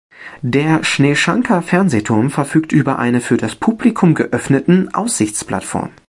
Der Sneschanka-Fernsehturm verfügt über eine für das Publikum geöffneten Aussichtsplattform.